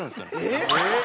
えっ！